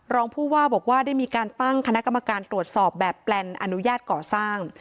รองผู้ว่าบอกว่าได้มีการตั้งคณะกรรมการตรวจสอบแบบแปลนอนุญาตก่อสร้าง